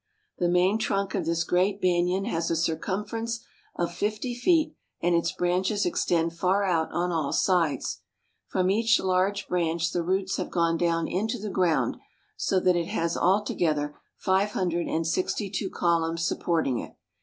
The main trunk of this great banyan has a circumference of fifty feet, and its branches extend far out on all sides. From each large branch the roots have gone down into the ground, so that it has all together five hundred and sixty two columns supporting it.